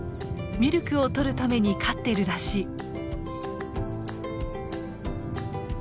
ミルクをとるために飼ってるらしい。